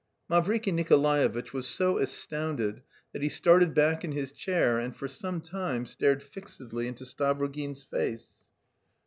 Mavriky Nikolaevitch was so astounded that he started back in his chair and for some time stared fixedly into Stavrogin's face.